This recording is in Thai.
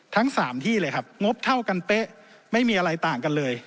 ทั้ง๓ที่เลยครับงบเท่ากันเป๊ะไม่มีอะไรต่างกันเลย